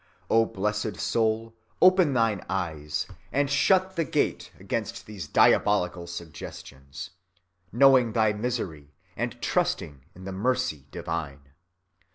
O blessed Soul, open thine eyes; and shut the gate against these diabolical suggestions, knowing thy misery, and trusting in the mercy divine.